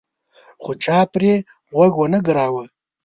خو چا پرې غوږ ونه ګراوه.